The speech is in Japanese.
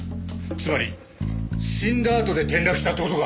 つまり死んだあとで転落したって事か？